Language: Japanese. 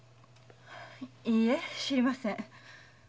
いいえ知りません。